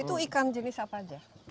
itu ikan jenis apa aja